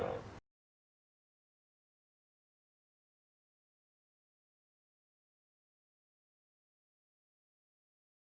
jangan hanya karena mengharap tanggapan atau likes di media sosial